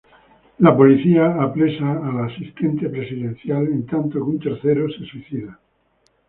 La policía apresa a la asistente presidencial, en tanto que un tercero se suicida.